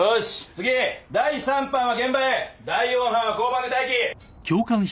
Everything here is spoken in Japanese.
次第三班は現場へ第四班は交番で待機。